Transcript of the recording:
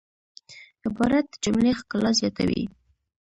عبارت د جملې ښکلا زیاتوي.